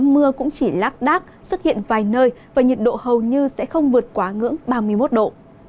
mưa cũng chỉ lác đác xuất hiện vài nơi và nhiệt độ hầu như sẽ không vượt quá ngưỡng ba mươi một độ